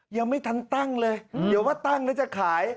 ยังไม่ทันตั้งเลยเดี๋ยวว่าตั้งแล้วจะขาย